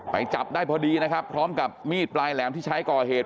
จับได้พอดีนะครับพร้อมกับมีดปลายแหลมที่ใช้ก่อเหตุ